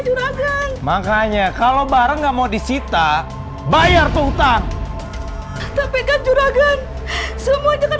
juragan makanya kalau barang nggak mau disita bayar kehutang tapi kan juragan semuanya kan